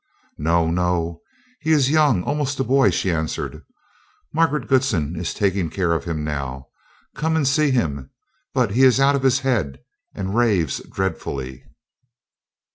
"No, no, he is young, almost a boy," she answered. "Margaret Goodsen is taking care of him now. Come and see him, but he is out of his head, and raves dreadfully."